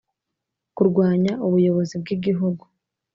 Kurwanya ubuyobozi bw igihugu